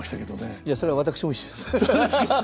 いやそれは私も一緒です。